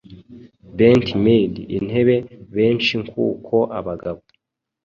Bent mead-intebe benshinkuko abagabo